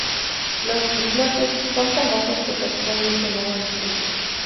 Los islotes son tan bajos que ocasionalmente el agua los cubre.